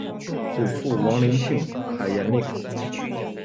祖父王灵庆，海盐令。